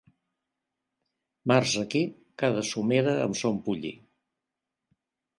Març aquí, cada somera amb son pollí.